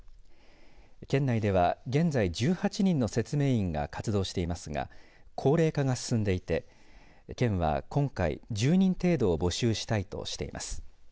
県内では現在１８人の説明員が活動していますが高齢化が進んでいて県は今回１０人程度を募集したいとしています。